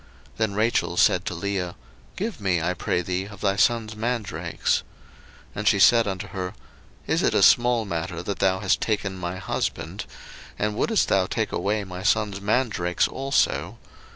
Then Rachel said to Leah, Give me, I pray thee, of thy son's mandrakes. 01:030:015 And she said unto her, Is it a small matter that thou hast taken my husband? and wouldest thou take away my son's mandrakes also?